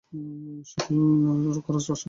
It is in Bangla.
সকল খরচ রাষ্ট্র বহন করতো।